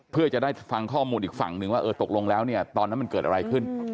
เพื่อจะได้ฟังข้อมูลอีกฝั่งนึงว่าเออตกลงแล้วเนี่ยตอนนั้นมันเกิดอะไรขึ้น